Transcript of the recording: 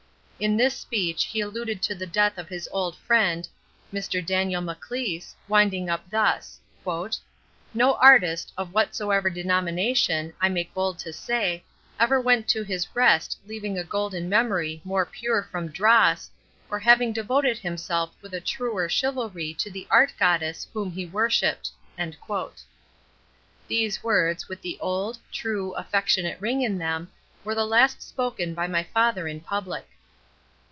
In this speech he alluded to the death of his old friend, Mr. Daniel Maclise, winding up thus: "No artist, of whatsoever denomination, I make bold to say, ever went to his rest leaving a golden memory more pure from dross, or having devoted himself with a truer chivalry to the art goddess whom he worshipped." These words, with the old, true, affectionate ring in them, were the last spoken by my father in public.